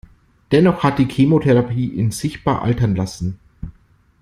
Dennoch hat die Chemotherapie ihn sichtbar altern lassen.